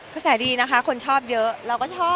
ก็แสดีนะครับคนชอบเยอะเราก็ชอบก็ดูก็ติด